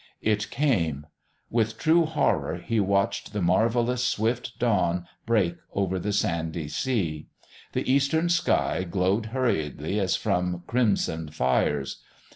It came. With true horror he watched the marvellous swift dawn break over the sandy sea. The eastern sky glowed hurriedly as from crimson fires.